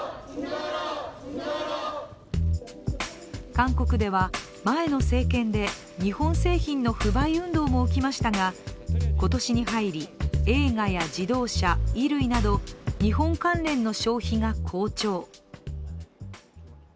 韓国では前の政権で、日本製品の不買運動も起きましたが今年に入り、映画や自動車、衣類など日本関連の消費が好調。